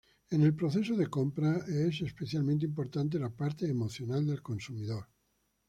En el proceso de compra es especialmente importante la parte emocional del consumidor.